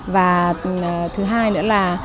và thứ hai nữa là